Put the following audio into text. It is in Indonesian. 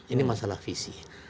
ini masalah visi